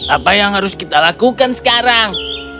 apa yang harus kita lakukan sekarang